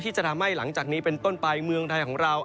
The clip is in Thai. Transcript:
ที่จะทำให้หลังจากนี้เป็นต้นไปเมืองไทยของเรา